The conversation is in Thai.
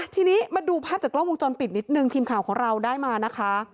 ทีนี้มาดูภาพจากกล้องวงจรปิดนิดนึงทีมข่าวของเราได้มานะคะ